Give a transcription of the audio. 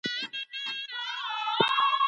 ایا تاسو د ژمنو لپاره چمتو یاست؟